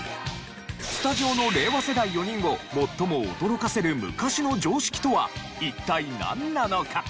スタジオの令和世代４人を最も驚かせる昔の常識とは一体なんなのか？